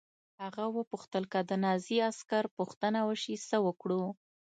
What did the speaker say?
هغه وپوښتل چې که د نازي عسکر پوښتنه وشي څه وکړو